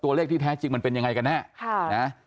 ตัวเลขที่แท้จริงมันเป็นยังไงกันแน่